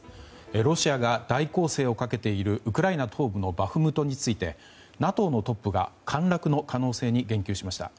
ロシアが大攻勢をかけているウクライナ東部のバフムトについてＮＡＴＯのトップが陥落の可能性に言及しました。